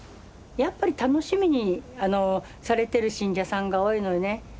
やっぱり楽しみにされてる信者さんが多いのよね。